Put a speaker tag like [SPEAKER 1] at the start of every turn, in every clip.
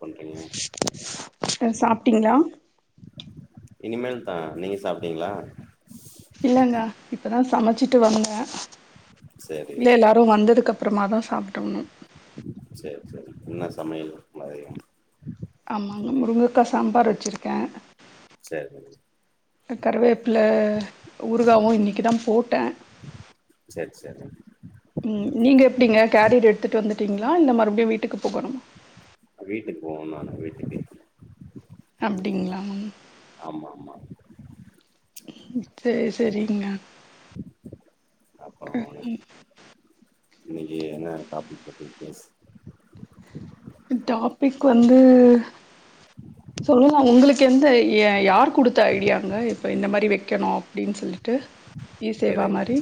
[SPEAKER 1] பண்றீங்க
[SPEAKER 2] சாப்டீங்ளா
[SPEAKER 1] இனிமேல் தா நீங்க சாப்டீங்ளா
[SPEAKER 2] இல்லங்க இப்பதா சமச்சிட்டு வந்தே
[SPEAKER 1] சேரி
[SPEAKER 2] இல்ல எல்லாரு வந்ததுக்கு அப்றமா தா சாப்டணு
[SPEAKER 1] சேர் சேர் என்னா சமையல் மதியம்
[SPEAKER 2] ஆமாங்க முருங்கக்கா சாம்பார் வெச்ருக்
[SPEAKER 1] சேரி
[SPEAKER 2] க கருவேப்புல ஊறுகாவு இன்னக்கிதா போட்ட
[SPEAKER 1] செரி
[SPEAKER 2] உம் நீங்க எப்டிங்க கேரியர் எடுத்துட்டு வந்துட்டீங்களா இல்ல மறு வீட்டுக்கு போகணுமா
[SPEAKER 1] வீட்டுக்கு போவனு நானு வீட்டுக்கு ம்,
[SPEAKER 2] அப்டிங்ளா
[SPEAKER 1] ஆமா ஆமா
[SPEAKER 2] சேர் செரிங்க
[SPEAKER 1] இன்னக்கி என்னா டாப்பிக் பத்தி பேஸ்
[SPEAKER 2] டாப்பிக் வந்து சொல்லுவாங் உங்களுக்கு எந்த ய யார் குடுத்த ஐடியாங்க இப்ப இந்த மாரி வெக்கணு அப்டின் சொல்லிட்டு இ சேவா
[SPEAKER 1] எதுங்
[SPEAKER 2] மாறி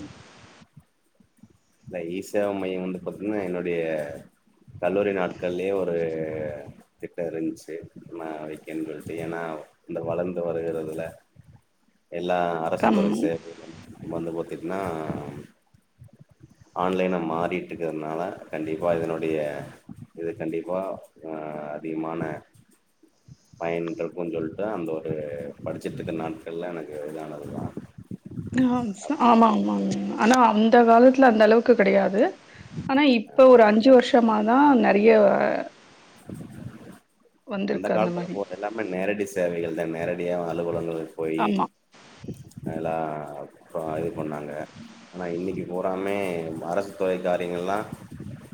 [SPEAKER 1] இந்த இ சேவா மையம் வந்து பாத்தீங்னா என்னுடைய கல்லூரி நாட்கள்லயே ஒரு திட்டொ இருன்ச்சி நா வெக்கன் சொல்ட்டு ஏனா இந்த வளந்து வருகிறதுல எல்லா அரசு துறை
[SPEAKER 2] ஆமா
[SPEAKER 1] [unintelligible] வந்து பாத்தீங்னா ஆன்லைனா மாறிட்ருக்கறனால கண்டிப்பா இதனுடைய இது கண்டிப்பா ஆ அதிகமான பயன் [unintelligible] சொல்ட்டுதா அந்த ஒரு படிச்சிட்ருந்த நாட்கள்ல எனக்கு இது ஆனது தா
[SPEAKER 2] ஆ இந்த காலத்துல அந்த அளவுக்கு கெடையாது ஆனா இப்ப ஒரு அஞ்சு
[SPEAKER 1] ஆ
[SPEAKER 2] வர்ஷமா தா ந நெறைய
[SPEAKER 1] அந்த
[SPEAKER 2] வந்திருக்கு
[SPEAKER 1] காலத்துல
[SPEAKER 2] மாரி
[SPEAKER 1] போட் எல்லாமே நேரடி சேவைகள் தா நேர டியா அலுவலங்கள் போய்
[SPEAKER 2] ஆமா
[SPEAKER 1] அதல்லா அப்போ இது பண்ணாங்க ஆனா இன்னக்கி பூராவுமே அரசு துறை காரியங்கல்லா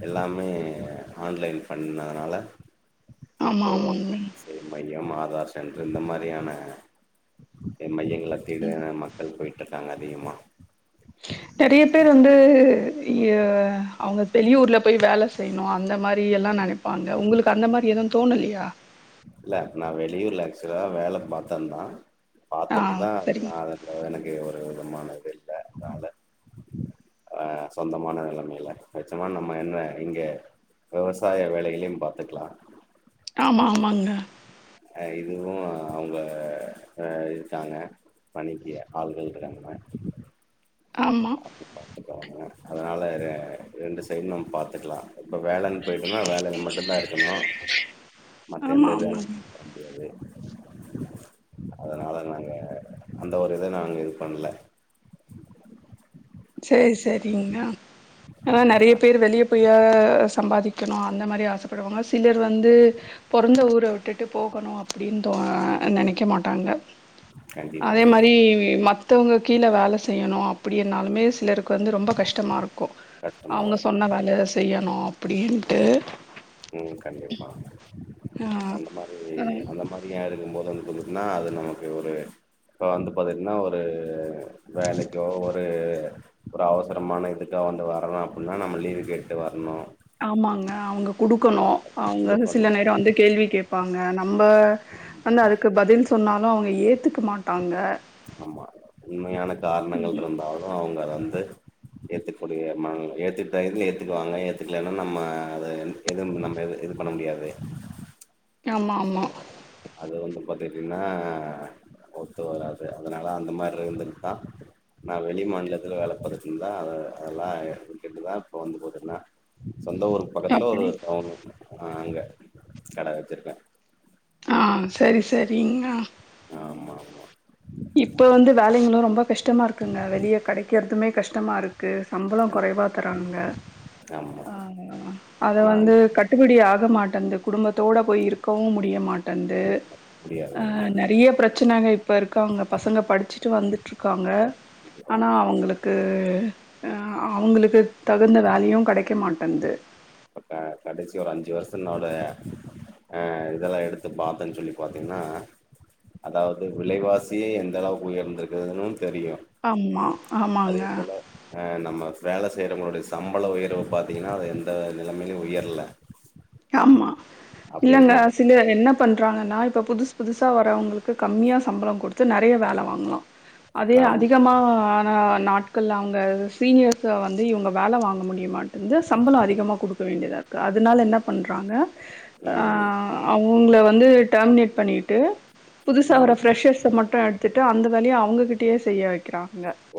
[SPEAKER 1] எல்லாமே ஆன்லைன் பண்ணதுனால
[SPEAKER 2] ஆமா ஆமா
[SPEAKER 1] [unintelligible] சென்ட்ரு இந்த மாரியான என் மைய [unintelligible] மக்கள் போய்ட் ட்ருக்காங்க அதிகமாக
[SPEAKER 2] நெறைய பேர் வந்து ய அ அவுங்க வெளி ஊர்ல போய் வேல செய்ணு அந்த மாரி எல்லா நெனைப்பாங்க உங்களுக்கு அந்த மாரி எது தோணலையா
[SPEAKER 1] இல்ல நா வெளியூர்ல ஆக்ஷுவலா வேல பாத்தந்தா
[SPEAKER 2] ஆ
[SPEAKER 1] பாத்துட்டுதா அது
[SPEAKER 2] சரிங்க
[SPEAKER 1] நா அது எனக் ஒரு விதமான இது இல்ல அதனால ஆ சொந்தமான நெலமைல வெச்சம்னா நம்ம என்ன இங்க விவசாய வேலகளையும் பாத்துக்கலா
[SPEAKER 2] ஆமா ஆமாங்க
[SPEAKER 1] அ இதுவு அவுங்க ஆ இருக்காங்க பணிக்கி ஆள்கள் இருகாங்க
[SPEAKER 2] ஆமா
[SPEAKER 1] பாங்க அதுனால ரெ ரெண்டு சைடு நம் பாத்துக்லா இப்போ வேலன் போய்டனா வேலைல மட்டுந்தா இருக்கணு மத்த
[SPEAKER 2] ஆமா
[SPEAKER 1] எந்த இதுவு
[SPEAKER 2] ஆமாங்க
[SPEAKER 1] [inaudible] முடியாது அதுனால நாங்க அந்த ஒரு இத நாங்க இது பண்ல
[SPEAKER 2] சேரி சேரிங்க ஆனா நெறைய
[SPEAKER 1] அ
[SPEAKER 2] பேர் வெளிய போய சம்பாதிக் வைக்கணு அந்த மாரி ஆசப்படுவாங்க சிலர் வந்து பெறந்த ஊர விட்டுட்டு போகணு அப்டின்னு தோ நெனைக்க மாட்டாங்க அதே
[SPEAKER 1] கண்டிப்பாங்க
[SPEAKER 2] மாரி மத்தவங்க கீழ வேல செய் செய்யணு அப்டியனாலுமே சிலருக்கு வந்து ரொம்ப கஷ்டமாருக் க்கு
[SPEAKER 1] கஷ்டமாதா
[SPEAKER 2] அவங்க
[SPEAKER 1] இருக்கு
[SPEAKER 2] சொன்ன வேல செய்யணு அப்டின்டு ட்டு
[SPEAKER 1] உம் கண்டிப்பா
[SPEAKER 2] ஆ
[SPEAKER 1] அந்த மாரி
[SPEAKER 2] ஆ
[SPEAKER 1] அந்த மாரி யாருக் பும் போது வந்து [unintelligible] அது நமக்கு ஒரு இப்போ வந்து பாதீங்கன்னா ஒரு வேலைக்கோ ஒரு ஒரு அவசரமான இதுக்கோ வந்து வரணும் அப்டின்னா நமா லீவு கேட்டு வரணு
[SPEAKER 2] ஆமாங்க அவங்கப் குடுக்கணு
[SPEAKER 1] அத
[SPEAKER 2] அவங்க
[SPEAKER 1] குடுக்கணு
[SPEAKER 2] சில நேரோ வந்து கேள்வி கேப் ப்பாங்க நம்ம
[SPEAKER 1] ஆமா
[SPEAKER 2] வந்து அதுக்கு பதில் சொன்னாலு அவங்க ஏத்துக்க மாட்டாங்க
[SPEAKER 1] ஆமா உண்மையான காரணங்கள் இருந்தாலு அவங்க வந்து ஏத்துக்கூடிய மனநில ஏத்து இதுல ஏத்துக்குவாங்க ஏத்துக்கலன்னா நம்ம எத எது நம்ம எது இது பண்ண முடியாது ம்ச்
[SPEAKER 2] ஆமா ஆமா
[SPEAKER 1] பாத்துக்கிட்டீங்கன்னா ஒத்து வராது அதனால அந்த மாரி இருந்துட் தா நா வெளி மாநிலத்துல வேல பாத்துட்ருந்தே அ அதெல்லா எடுத்துக்கிட்டு தா இப்போ வந்து [unintelligible] சொந்த ஊரு பக்கத்தல ஒரு
[SPEAKER 2] அப்டி
[SPEAKER 1] டவுன்னு ஆ அங்க கட வச்சிருக்கே
[SPEAKER 2] ஆ, செரி செரிங்க
[SPEAKER 1] ஆமா ஆமா
[SPEAKER 2] இப்ப வந்து வேலைங்களு ரொம்ப கஷ் டமா இருக்குங்க வெளியே கெடைக்கறதுமே கஷ்டமாருக் க்கு சம்பளோ
[SPEAKER 1] கண்
[SPEAKER 2] குறைவா தராங்க
[SPEAKER 1] ஆமா
[SPEAKER 2] ஆ அது
[SPEAKER 1] ஆனா
[SPEAKER 2] வந்து கட்டுபடி ஆக மாட் டந்த குடும்பத்தோட போய் இருக்கவு முடிய மாட் டந்து
[SPEAKER 1] முடியாது
[SPEAKER 2] அ
[SPEAKER 1] முடியாது
[SPEAKER 2] நெறைய பிரச்சனங்க இப்ப இருக் ப்ப அவங்க பசங்க படிச்சுட்டு வந்துட்ருக்காங்க
[SPEAKER 1] பா கண்டிப்பா
[SPEAKER 2] ஆனா அவங்களுக்கு ஆ அவங்களுக்கு தகுந்த வேலையு கெடைக்க மாட்டேங்து
[SPEAKER 1] அக்கா கடைசி ஒரு அஞ்சு வருஷம்னாலு அ இதெல்லா எடுத்து பாத்தேன்னு சொல்லி பாத்தீங்னா அதாவது விலைவாசி எந்த அளவுக்கு உயர்ந்திருக்குதுன் தெரியு
[SPEAKER 2] ஆமா
[SPEAKER 1] அதே
[SPEAKER 2] ஆமாங்க
[SPEAKER 1] போல அ நம் ஆமா வேல செய்யறவங்ளுடைய சம்பள உயர்வு பாத்தீங்கன்னா அது எந் எந்த நெலமையிலும் உயர்ல
[SPEAKER 2] ஆமா இல்லங்க
[SPEAKER 1] இருக்கிறப்ப
[SPEAKER 2] சிலர் என்ன பண்றாங்கன்னா இப்ப புதுசு புதுசா வரவங்களுக்கு கம்மியா சம்பளம் கொடுத்து நெறைய வேலை வாங்கலாம் அதே
[SPEAKER 1] ஆமா
[SPEAKER 2] அதிகமா ஆ நான் நாட்கள் அவங்க சீனியர்ஸ் வந்து இவுங்க வேலை வாங்க முடியுமாட் வந்து சம்பளம் அதிகமா கொடுக்க வேண்டியதா இருக்கு அதனால என்ன பண்றாங்க அ
[SPEAKER 1] ம்
[SPEAKER 2] அவங்கள வ ந்து டர்மினேட் பண்ணிட்டு புதுசா ஒரு
[SPEAKER 1] ஆமா
[SPEAKER 2] ஃப்ர்ஷர்ஸ் மட்டும் எடுத்துட்டு அந்த வேலயை அவுங்ககிட்டயே செய்ய வைக்கிறான்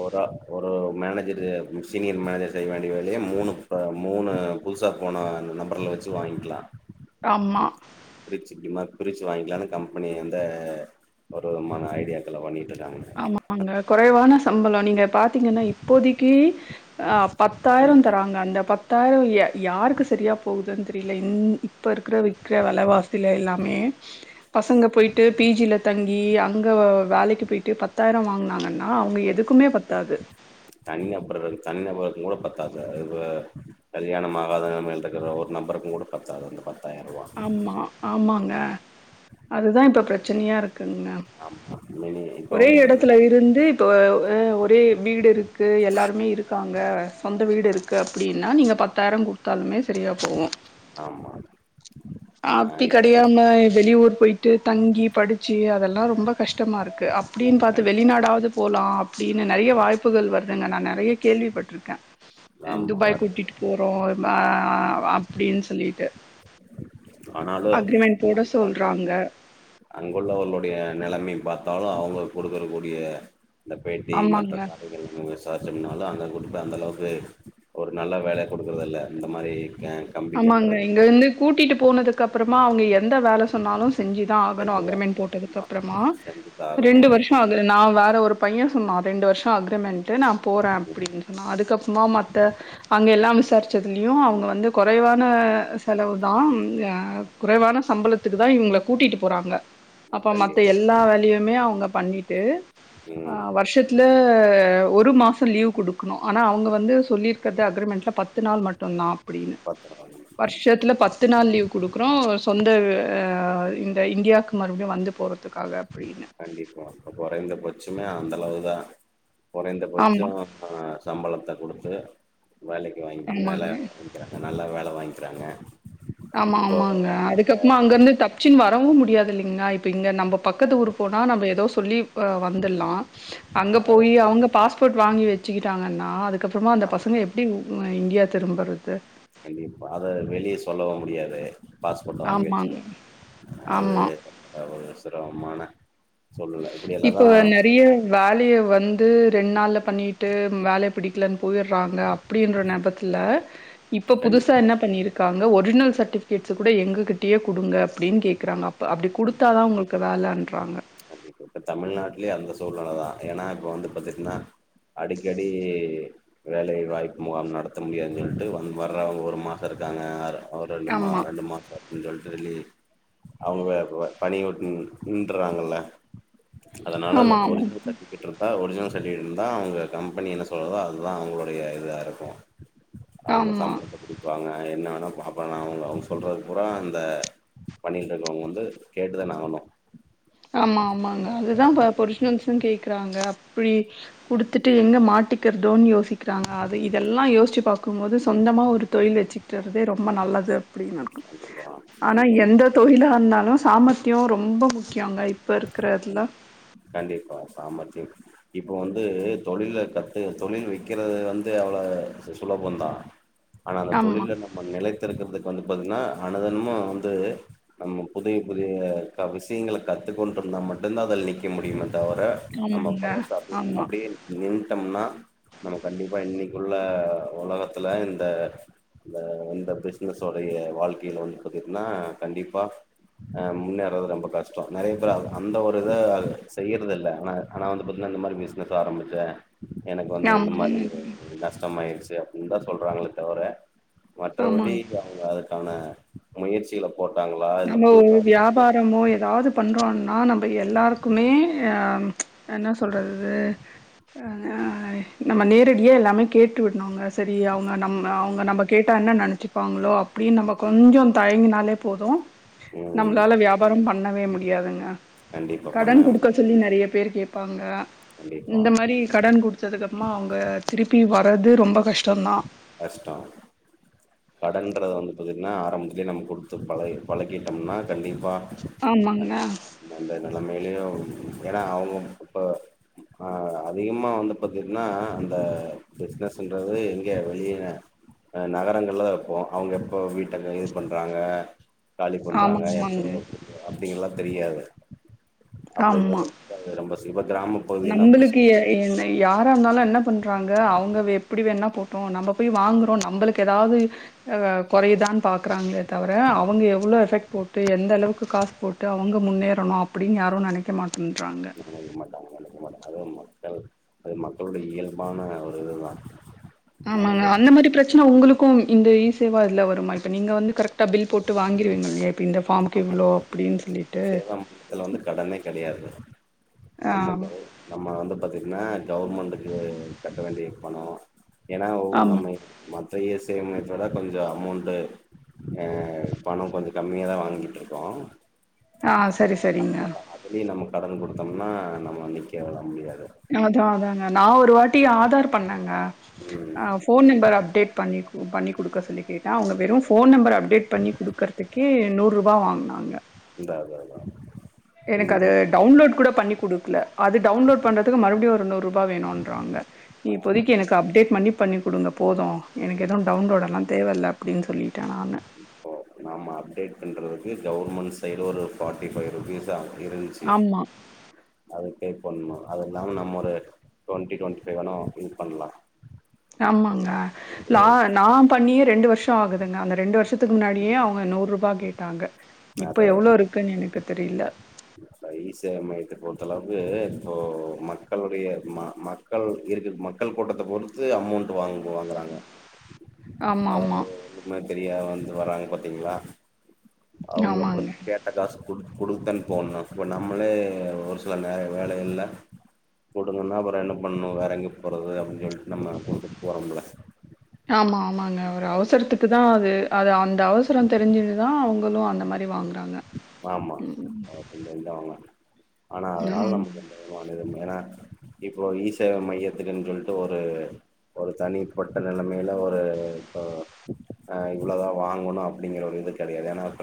[SPEAKER 1] ஒரா ஒரு மேனேஜரு சீனியர் மேனேஜர் செய்ய வேண்டிய வேலயை மூணு மூணு புதுசா போன அந்த நம்பர்ல வச்சு வாங்கிக்கலாம்
[SPEAKER 2] ஆமா
[SPEAKER 1] பிரிச்சு வாங்கிக்கலனு கம்பெனி அந்த ஒரு மன ஐடியாக்களே பண்ணிட்டுருக்காங்க
[SPEAKER 2] ஆமாங்க குறைவான சம்பளம் நீங்க பாத்தீங்கன்னா இப்போதைக்கி ஆ
[SPEAKER 1] ம்
[SPEAKER 2] பத்தாயிரம் தராங்க அந்த பத் த்தாயிரம் யா யாருக்கு சரியா போகுதுன்னு தெரியல ன் இப்ப இருக்ற விக்கிற வெலவா சில எல்லாமே பசங்க போயிட்டு பி ஜி ல தங்கி அங்க வேலைக்கு போயி ட்டு பத்தாயிரம் வாங்குனாங்கன்னா அவுங்க எதுக்குமே பத்தாது
[SPEAKER 1] தனி நபர்கள் இரு தனி நபர் மூட பத்தாது வ கல்யாணம் ஆகாத நிலமமை இருக்கிற ஒரு நபருக்கும் கூட பத்தாது அந்த பத்
[SPEAKER 2] ஆமா ஆமாங்க அதுதான் இப்ப பிரச்சனையா இருக்குங்க
[SPEAKER 1] ஆமா மினி இப்ப
[SPEAKER 2] ஒரே
[SPEAKER 1] வந்து பாத்தீங்கன்னா
[SPEAKER 2] இடத்துல இருந்து இப்ப அ அ ஒரே வீடு இருக்கு எல்லாருமே இருக்காங்க சொந்த வீடு இருக்கு அப்டின்னா நீங்க பத்தாயிரம் கொடுத்தாலுமே சரியா போகும்
[SPEAKER 1] ஆமா ஆ
[SPEAKER 2] அப்டி
[SPEAKER 1] இப்ப
[SPEAKER 2] கிடையாம வெளியூர் போயிட்டு தங்கி படு சம்சுல்ஆஅதெல்லா ரொம்ப கஷ்டமா இருக்கு அப்டின்னு பாத்து
[SPEAKER 1] கண்-
[SPEAKER 2] வெளிநாடாவது போலா அப்டின்னு நெறைய வாய்ப்புகள் வருதுங்க நா நெறைய கேள்விப்பட்டிருக்கே
[SPEAKER 1] ஆமா
[SPEAKER 2] துபாய்
[SPEAKER 1] வருது
[SPEAKER 2] கூட்டிட்டு போறோ அப்படின் சொல்லி ட்டு
[SPEAKER 1] ஆனாலு
[SPEAKER 2] அக்ரிமெண்ட் போட
[SPEAKER 1] அதுதா
[SPEAKER 2] சொல்றாங்க
[SPEAKER 1] அங்குள்ளவர்களுடைய நெலமை பாத்தாலு அவுங்க குடுக்கற கூடிய இந்த பேட்டி மற்ற
[SPEAKER 2] ஆமாங்க
[SPEAKER 1] காலைகளுக்கு விசார்ச்சுனாலு அங்க கொடு இப்போ அந்த அளவுக்கு ஒரு நல்ல வேல குடுக்குறதில்ல இந்த மாரி க கம்பி
[SPEAKER 2] ஆமாங்க
[SPEAKER 1] கட்டுறது
[SPEAKER 2] இங்க வந்து கூட்டிட்டு போனதுக்கப்றம் மா அவுங்க எந்த வேல சொன்னாலு செஞ்சு தா ஆகணு
[SPEAKER 1] செஞ்சுதா
[SPEAKER 2] அக்ரிமெண்ட் போட்டதுக்கு
[SPEAKER 1] ஆமா
[SPEAKER 2] அப்பறமா
[SPEAKER 1] செஞ்சுதா ஆகணு
[SPEAKER 2] ரெண்டு வருஷோ ஆகுது நா வேற ஒரு பையன் சொன்னா ரெண்டு வருஷம் அக்ரிமெண்ட் ட்டு நா போறே அப்படின் அதுக்கப்புறமா மத்த அங்க எல்லாம் விசாரிச்சதுலயும் அவுங்க குறைவான செலவு தா ம் குறைவான சம்பளத்துக்கு தா இவுங்கள கூட்டிட்டு போறாங்க அப்ப மத்த
[SPEAKER 1] கண்டிப்பா
[SPEAKER 2] எல்லா வேலையுமே அவுங்க பண்ணிட்டு அ
[SPEAKER 1] ம்
[SPEAKER 2] வருஷத்துல ஒரு மாசம் லீவ் குடுக்கணும் ஆனா அவங்க வந்து சொல்லிருக்குறது அக்ரிமெண்ட்ல பத்து நாள் மட்டுதா அப்படின்னு
[SPEAKER 1] பாத்துக்கலாங்க
[SPEAKER 2] வர்ஷத்துல பத்து நாள் லீவ் குடுக்குறோ சொந்த அ ஆ இந்த இண்டியாக்கு மறுபடியு வந்து போற
[SPEAKER 1] கண்டிப்பா அப்ப கொறைந்தபச்சமே அந்த அளவு தா கொறைந்த பட்ச
[SPEAKER 2] ஆமா
[SPEAKER 1] ஆஹ் சம்பளத்த குடுத்து வேலக்கி வாங்கி வேல
[SPEAKER 2] ஆமாங்க
[SPEAKER 1] வாங்கிறாங்க நல்லா வே ல வாங்கிறாங்க
[SPEAKER 2] ஆமா ஆமாங்க அதுக்கப்மா அங்க இருந்து தப்ச்சுன் வரவு முடியாது இல்லைங்ளா இப் ப்ப இங்க நம்பப் பக்கத்து ஊரு போனா நம்ப எதோ சொ சொல்லிவ் இப்ப வந்தர்லா அங்க போயி அவங்க பாஸ்போர்ட் வாங்கி வெச்சுக்கிட்டாங்கன்னா ஆ அதுக் கப்றமா அந்த பசங்க எப்டி உ மே இண்டியா திரும்பறது
[SPEAKER 1] கண்டிப்பா அத வெளிய சொல்லவு முடியாது பாஸ்போர்ட்டு வாங்கி
[SPEAKER 2] ஆமாங்க
[SPEAKER 1] வச்சுக்குவா அது
[SPEAKER 2] ஆமா
[SPEAKER 1] தவறு த்ரோகமான
[SPEAKER 2] இப்போ நெறைய வேலைய வந் ந்து ரெண்ட் நாள்ல பண்ணிட்டு வேலய பிடிக்கலன் போயிறாங்க அப்டின்ற நெபத்துல இப்ப புதுசா என்ன
[SPEAKER 1] கண்டிப்பா
[SPEAKER 2] பண்ணிருக்காங்க ஒரிஜ்னல் சர்ட் ட்டிஃப்கேட்ஸ கூட எங்ககிட்டயே குடுங்க அப்டின் கேக்குறாங்க இப்ப அப்டி குடுத்தா தா உங்களுக்கு வேலன்றாங்க
[SPEAKER 1] இப்ப இப்ப தமிழ்நாட்டலே அந்த சூழ்நெல தா ஏனா இப்ப வந்து பாத்துட்னா அடிக்கடி வேலை வாய்ப்பு முகாம் நடத்த முடியாதுன் சொல்ட்டு வந் வர்றவங்க ஒரு மாச இருக்காங்க அ அவர் ரெண்டு மா
[SPEAKER 2] ஆமா
[SPEAKER 1] ரெண்டு மாச அப்டின் சொல்ட்டு லீ அவங்க துவ பணிவுட் நின் நின்றாங்க ளா அதனாலதா
[SPEAKER 2] ஆமா ஆமா
[SPEAKER 1] ஒரிஜ்னல் சர்ட்டிஃபிகேட் இருந்தா ஒரு ஒரிஜ்னல் சர்ட்டிஃபிகேட் இருந்தா அவங்க கம்பெனி என்ன சொல்லுதோ அதுதா அவங்களுடைய இதா இருக்கு அவங்க
[SPEAKER 2] ஆமா
[SPEAKER 1] சம்பளத்த புடிப்பாங்க அ என்ன வேணா பாப்பாங்க அவங் அவங்க சொல்றது பூரா அந்த பணியில் இருக்கவங்க வந்து கேட்டுதான ஆகணு
[SPEAKER 2] ஆமா ஆமாங்க அதுதா இப்ப பொரிசுனல்ஸு கேக்கு க்றாங்க இப்டி குடுத்துட்டு எங்க மாட் மாட்டிக்கிறதோன் யோசிக்கிறாங்க அது இதெல்லா யோசிச்சு பாக்கும்போது சொந்தமா ஒரு தொழில் வெச்சுட்றதே ரொம்ப நல்லது அப்பிடின்னு இருக்கு
[SPEAKER 1] கண்டிப்பா
[SPEAKER 2] ஆனா
[SPEAKER 1] சொந்தமா
[SPEAKER 2] எந்த தொழிலா இருந்தாலு சாமர்த் அய்யோ ரொம்ப சியாங்க இப்ப இருக்கிறதுல
[SPEAKER 1] கண்டிப்பா சாமர்த்தி இப்ப வந்து தொழில கத்து தொழில் வெக்கறது வந்து அவ்ள சுலபந்தா ஆனா அந்த
[SPEAKER 2] ஆமா
[SPEAKER 1] தொழில்ல நம்ம நிலைத்திருக்கறதுக்கு வந்து பாத்திங்னா அனுதெனமு வந்து நம்ம புதிய புதிய விஷயங்கள கத்துக்கொண்ருந்தா மட் டுந்தா அதுல நிக்க முடியுமே தவர நம்ம
[SPEAKER 2] ஆமாங்க
[SPEAKER 1] பழச அப்டியே
[SPEAKER 2] ஆமா
[SPEAKER 1] அப்டியே நின் ட்டம்னா நம்ம கண்டிப்பா இன்னைக்குள்ள ஒலகத்துல இந்த இந்த இந்த பிஸ்னசோடைய வாழ்க்கைல வந்து பாத்துட்டனா கண்டிப்பா அ முன்னேர்றது ரொம்ப கஷ்ட நெறைய பேர் அந்த ஒரு இத செய்யறதில்ல ஆனா ஆனா வந்து பாத்தினா இந்த மாரி பிசினஸ் ஆரம்பிச்சே எனக்கு வந்து இந்த
[SPEAKER 2] ஆமா
[SPEAKER 1] மாரி
[SPEAKER 2] ஆமாங்க
[SPEAKER 1] நஷ்டமாயிருச் சு அப்டின்தா சொல்றாங்ளே தவர மற்றபடி
[SPEAKER 2] ஆமாங்க
[SPEAKER 1] அவுங்க அ துக்கான முயற்சிகள போட்டாங்களா இல்ல
[SPEAKER 2] நம்ம
[SPEAKER 1] புது
[SPEAKER 2] ஒரு
[SPEAKER 1] காரணங்களா
[SPEAKER 2] வியாபாரமோ எதாது பண்றோனா நம்ப எல்லாருக்குமே என்ன சொல்றது நம்ம நேரடியா எல்லாமே கேட்டு விடுனோங்க சரி அவங்க நம்
[SPEAKER 1] தெரியல.
[SPEAKER 2] அவங்க நம்ம கேட்டானே நெனைச் சிப்பாங்களோ அப்பிடின் நம்ம கொஞ்ச தயங்கினாலே போது
[SPEAKER 1] ம்
[SPEAKER 2] நம்மளால வியாபாரம் பண்ணவே முடியாதுங்க
[SPEAKER 1] கண்டிப்பா
[SPEAKER 2] கடன்
[SPEAKER 1] பண்ணவே
[SPEAKER 2] குடுக்க
[SPEAKER 1] முடியாது
[SPEAKER 2] சொல்லி நெறைய பேர் கேப் பாங்க
[SPEAKER 1] கண்டிப்பா
[SPEAKER 2] இந்த மாரி கடன் குடுத்ததுக்கு அப்பமா அவங்க திருப்பி வா வரது ரொம்ப கஷ்
[SPEAKER 1] கஷ்டோ கடன்றத வந்து பாத்திங் ன்னா ஆரம்பத்துலே நம்ம குடுத்து பழகி பழகிட்டம்னா கண்டிப்பா
[SPEAKER 2] ஆமாங்க
[SPEAKER 1] இந்த மேலயும் ஏன்னா அவங்க இப்போ ஆ அதிகமா வந்து பாத்தீங்கன்னா அந்த பிஸ்னஸ்ன்றது கே வெளியில அ நகரங்கள்ல தா வெப்போ அவங்க எப்போ வீட்ட க இது பண்றாங்க காலி
[SPEAKER 2] ஆமா
[SPEAKER 1] பண்றாங்க எப்போ
[SPEAKER 2] ஆமாங்க
[SPEAKER 1] [inaudible] அப்டிங்கல்லா தெரியாது [unintelligible] ரொம்ப ஸ்
[SPEAKER 2] நம்மளுக்கு எ என்ன யாரா இருந்தாலு என்ன பண்றாங்க அவங்க எப்படி வேண்ணா போட்டோ நம்ம போய் வாங்கறோ நம்பளுக்கு எதாது அ கொறையுதான் பாக்கறாங்களே தவர அவங்க எவ்ளோ எஃபெக்ட் போட்டு எந்த அளவுக்கு காசு போட்டு அவங்க முன்னேறணு அப்டின்னு யாரு நெனைக்க மாட்டன்றாங்க
[SPEAKER 1] நினைக்க மாட்டாங்க நினைக்க மாட்டாங்க அது மக்கள் அது மக்களுடைய இயல்பான ஒரு இதுதா
[SPEAKER 2] ஆமாங்க
[SPEAKER 1] நமக்கு
[SPEAKER 2] அந்த மாரி ப்ரச்சன உங்குளுக்கு இந்த இ சேவா இதுல வருமா இப்ப நீங்க வந்து கரெக்டா பில் போட்டு வாங்கிருவிங்க இல்லியா இப்ப இந்த ஃபார்ம்க்கு இவ்ளோ அப்பிடின் சொல்லி
[SPEAKER 1] சேவா மையத்துல வந்து கடனே கெ கெடயாது
[SPEAKER 2] ஆ
[SPEAKER 1] நமக் அ நம்ம வந்தப பாத்தீங்னா கவர்மெண்டுக்கு கட்ட வேண்டிய பணோ ஏனா ஒ
[SPEAKER 2] ஆமா
[SPEAKER 1] நம்ம [inaudible] மா தைய சேவமைதட கொஞ்சோ அமோண்டு எ பணோ கொஞ்சோ கம்மியாதா வாங்கிட்ருக்கோ
[SPEAKER 2] ஆ சரி சரிங்னா
[SPEAKER 1] அதனால அதுலயு நம்ம கடன் குடுதம்னா நம்ம வந்து கேவ்ல முடியாது
[SPEAKER 2] அது அதாங்க நா ஒரு வாட் டி ஆதார் பண்ண
[SPEAKER 1] ம்
[SPEAKER 2] ஆ ஃபோன் நம்பர் அப்டேட் பண்ணி பண்ணிக் குடுக்க சொல்லி கேட்ட அவங்க வெரு ஃபோன் நம்பர் அப்டேட் பண்ணி குடுக்கர்துக்கே நூருபா வாங்னாங்க
[SPEAKER 1] அதா அதா அதா
[SPEAKER 2] எனக்கு
[SPEAKER 1] இதுக்கு
[SPEAKER 2] அது
[SPEAKER 1] வந்து
[SPEAKER 2] டவ்ன்லோட் கூட பண்ணி குடுக்ல அது டவுன்லோட் பண்றதுக்கு மறுபடியு ஒரு நூறுபா வேணுன்றாங்க இப்போதிக்கி எனக்கு அப்டேட் பண்ணி பண்ணி குடுங்க போது எனக்கு எதுவு டவுன்லோடுலா தேவ இல்ல அப்டின்னு சொல்லி
[SPEAKER 1] இப்போ நாம அப்டேட் பண்றதுக் கு கவுர்மெண்ட் சைடு ஒரு ஃபார்ட்டி ஃபைவ் ருபீஸ் ஆகு இருந்ச்சு
[SPEAKER 2] ஆமா.
[SPEAKER 1] அதுக்கே பண்ணோ அத இல்லாம நம்மொரு டுவெண்டி டுவெண்டி ஃபைவ் வேனா திங் பண்லா
[SPEAKER 2] ஆமாங்க
[SPEAKER 1] அது
[SPEAKER 2] நா நா பண்ணியே ரெண்டு வருஷ ஆகுதுங்க அந்த ரெண்டு வருஷத் துக்கு முன்னாடியே அவுங்க நூறுபா கேட்டாங்க இப்ப
[SPEAKER 1] அதா
[SPEAKER 2] எவ்ளோ இருக்குன்னு எனக்கு தெரியல.
[SPEAKER 1] அதா இ சேவ மையத்த பொறுத் த்துல வந்து இப்போ மக்களுடய ம மக்கள் இருக்கு மக்கள் கூட்டத்த பொறுத்து அமௌண்ட் வாங்கு வாங்குறாங்க
[SPEAKER 2] ஆமா,
[SPEAKER 1] அ
[SPEAKER 2] ஆமா.
[SPEAKER 1] ஒரு மாதிரியா வந் இது வராங் பாத்தீங்களா அவுங்க அப்றோ
[SPEAKER 2] ஆமாங்க.
[SPEAKER 1] கேட்ட காசு குடுத் குடுத்தன் போனா இப்போ நம்மளே ஒரு சில நேர கால எல்லா குடுக்கனா அப்றோ என்ன பண்ணு வேற எங்கே போறது அப்டின்னு சொல்லிட்டு நம்ம குடுத்துட்டு போறோம்ல
[SPEAKER 2] ஆமா ஆமாங்க
[SPEAKER 1] அந்த
[SPEAKER 2] ஒரு
[SPEAKER 1] மாரி
[SPEAKER 2] அவசரத்துக்கு தா அது அது அந் அவசரம் தெரிஞ்சுரிதா அவுங் அவளும் அந்த மாரி வாங்க
[SPEAKER 1] ஆமா [unintelligible] ந்தவங்க ஆனா அதனால
[SPEAKER 2] ஆ.
[SPEAKER 1] நமக் எந்த விதமான ஏனா இப்போ ஈசேவை மையத்துக்குன்னு சொல்லிட்டு ஒரு ஒரு தனிப்பட்ட நிலைமையில ஒரு இப்ப் இவ்வளோதா வாங்கணு அப்டிங்கற ஒரு இது கிடையாது ஏனா